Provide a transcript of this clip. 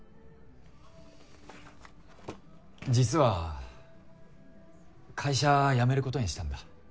実は会社辞めることにしたんだ。